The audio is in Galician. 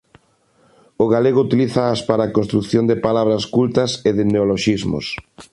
O galego utilízaas para construción de palabras cultas e de neoloxismos.